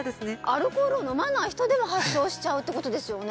アルコールを飲まない人でも発症しちゃうってことですよね？